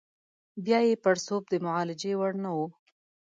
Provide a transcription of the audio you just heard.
بیا یې پړسوب د معالجې وړ نه وو.